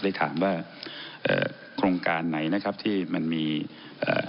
ได้ถามว่าเอ่อโครงการไหนนะครับที่มันมีเอ่อ